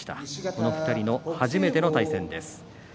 この２人が初めての対戦です。